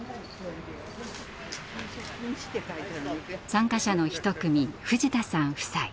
参加者の一組藤田さん夫妻。